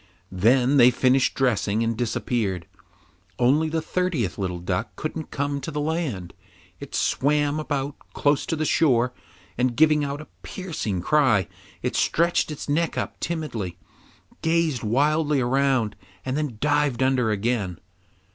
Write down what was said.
Then they finished dressing and disappeared. Only the thirtieth little duck couldn't come to the land; it swam about close to the shore, and, giving out a piercing cry, it stretched its neck up timidly, gazed wildly around, and then dived under again.